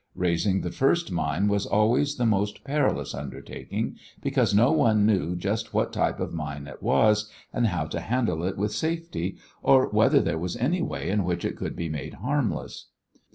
Raising the first mine was always the most perilous undertaking, because no one knew just what type of mine it was and how to handle it with safety, or whether there was any way in which it could be made harmless.